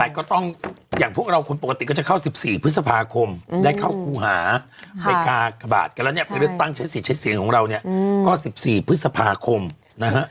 แต่ก็ต้องอย่างพวกเราคนปกติก็จะเข้า๑๔พฤษภาคมได้เข้าครูหาไปกากบาทกันแล้วเนี่ยไปเลือกตั้งใช้สิทธิ์ใช้เสียงของเราเนี่ยก็๑๔พฤษภาคมนะฮะ